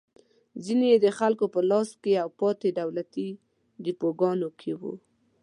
ځینې یې د خلکو په لاس کې او پاتې دولتي ډېپوګانو کې وو.